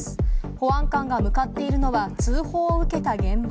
保安官が向かっているのは、通報を受けた現場。